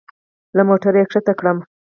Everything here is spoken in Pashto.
له موټره يې کښته کړم.